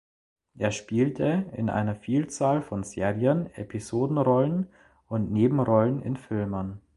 Er spielte in einer Vielzahl von Serien Episodenrollen und Nebenrollen in Filmen.